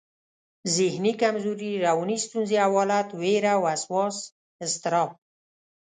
ذهني کمزوري، رواني ستونزې او حالت، وېره، وسواس، اضطراب